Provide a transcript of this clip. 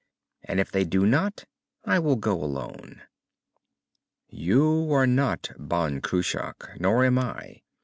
And if they do not, I will go alone." "You are not Ban Cruach. Nor am I."